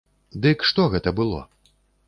Дык што гэта было?